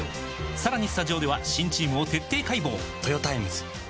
さらにスタジオでは新チームを徹底解剖！